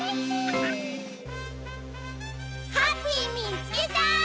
ハッピーみつけた！